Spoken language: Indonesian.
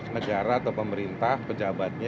negara atau pemerintah pejabatnya